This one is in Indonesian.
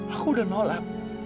aku sudah menolak